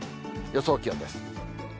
予想気温です。